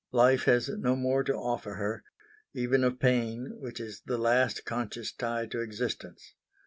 Life has no more to offer her even of pain, which is the last conscious tie to existence.